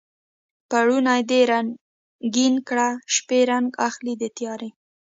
پوړونی دې رنګین کړه شپې رنګ اخلي د تیارې